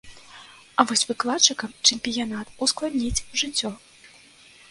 А вось выкладчыкам чэмпіянат ускладніць жыццё.